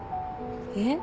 えっ？